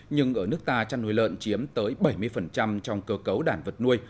nhưng ở nước ta chăn nuôi lợn chiếm tới bảy mươi trong cơ cấu đàn vật nuôi